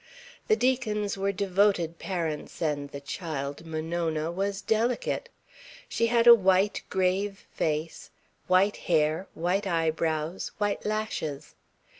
The Deacons were devoted parents and the child Monona was delicate. She had a white, grave face, white hair, white eyebrows, white lashes.